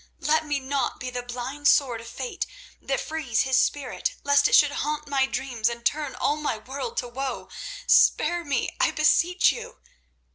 Let me not be the blind sword of fate that frees his spirit, lest it should haunt my dreams and turn all my world to woe. Spare me, I beseech you."